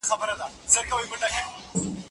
هغه هلک چې پښې یې نرۍ وې ودرېد.